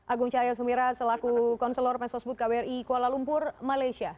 agung cahaya sumira selaku konselor mesosbut kbri kuala lumpur malaysia